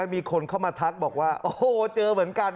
มีคนเข้ามาทักบอกว่าโอ้โหเจอเหมือนกัน